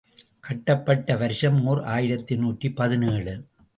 கட்டப் பட்ட வருஷம் ஓர் ஆயிரத்து நூற்றி பதினேழு .